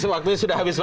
waktunya sudah habis